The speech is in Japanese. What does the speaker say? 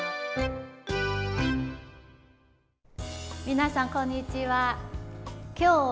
皆さん、こんにちは。